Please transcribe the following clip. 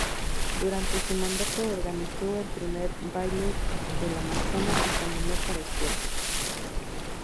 Durante su mandato, organizó el primer Baile de la Manzana y Camino para Escuelas.